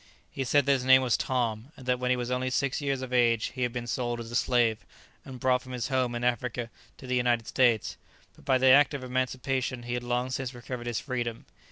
He said that his name was Tom, and that when he was only six years of age he had been sold as a slave, and brought from his home in Africa to the United States; but by the act of emancipation he had long since recovered his freedom.